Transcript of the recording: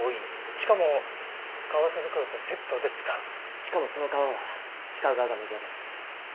しかもその革は鹿革がメジャーです。